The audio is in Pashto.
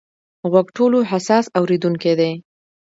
غوږ ټولو حساس اورېدونکی دی.